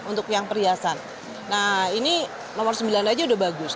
nah ini nomor sembilan aja udah bagus